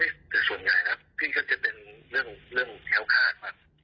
พี่เขาจะเป็นเรื่องแท้้วข้าด